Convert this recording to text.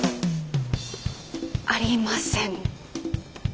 ありません。